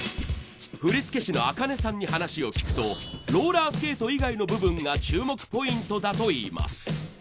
振付師のａｋａｎｅさんに話を聞くとローラースケート以外の部分が注目ポイントだといいます。